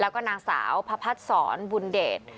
แล้วก็นางสาวพระพัดศรบุญเดช